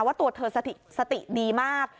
ว่าตัวเธอสติดีมาก